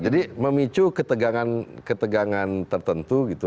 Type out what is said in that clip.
jadi memicu ketegangan tertentu gitu